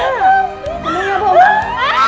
ibu tenang ya